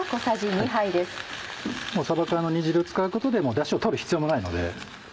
さば缶の煮汁使うことでダシを取る必要もないので。